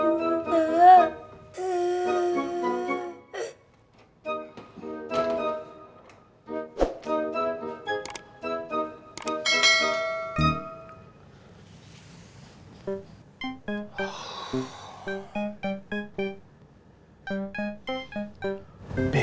dekat kata kata s genera miskin